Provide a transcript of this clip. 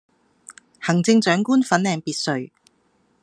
行政長官粉嶺別墅